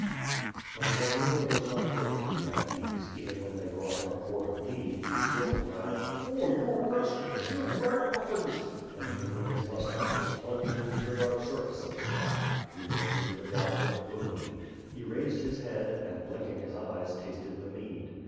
But Zagloba was not perfectly at ease; even when they brought him a quart of mead, he still growled, "Oh you ras cals, you ragamuffins!" and, even when his moustache was plunged into the dark surface of the draught, he looked into the goblet gloomily. He raised his head and, blinking liis eyes, tasted the mead.